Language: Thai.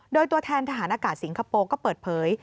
โดยตัวแทนทหารอากาศสิงคโปร์ก็เปิดเผย